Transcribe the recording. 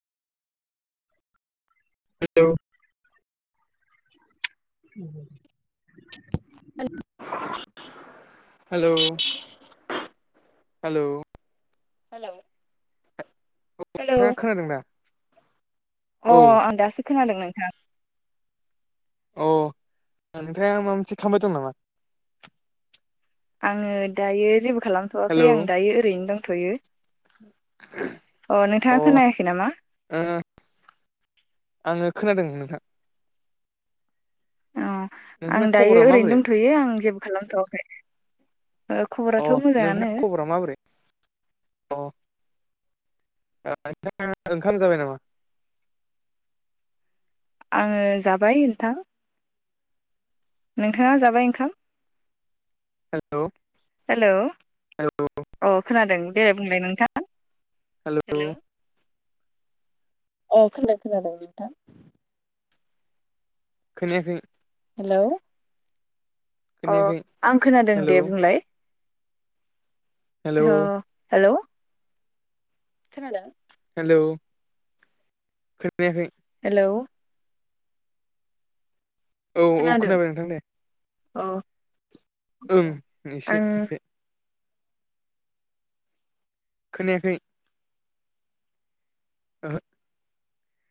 हेल' hello hello hello नोंथाङा खोनादों ना अ आं दासो खोनादों नोंथां अ ओनिफ्राय आं माबा मोनसे खालामबाय दं नामा आङो दायो जेबो खालामथ'वाखै हेलौ आं दायो ओरैनो दंथ'यो अ अ ओ नोंथाङा खोनायाखै नामा [unintelligible] आङो खोनादों नोंथां अ आं नोंथांना खबरा दायो ओरैनो माबोरै दंथ'यो आं जेबो खालामथ' अ नोंथ मोजाङानो खबरा माबोरै अ ओंखाम जाबाय नामा आङो जाबाय नोंथां नोंथाङा जाबाय ओंखाम हेल' हेलौ औ खोनादों दराये बुंलाय नोंथां हेल' हेल अ खोनादों खोनादों नोंथां खोनायाखै हेलौ अ खोनायाखै आं खोनादों हेलौ दे बुंलाय हेलौ औ हेल' खोनादों हेल' खोनायाखै हेल' औ औ खोनादों खोनाबाय नोंथां दे औ ओं एसे आं एसे खोनायाखै [inaudible]